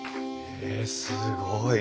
へえすごい。